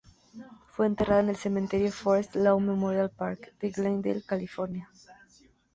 Fue enterrada en el Cementerio Forest Lawn Memorial Park, de Glendale, California.